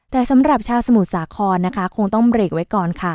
แต่สำหรับชาวสมุทรสาครนะคะคงต้องเบรกไว้ก่อนค่ะ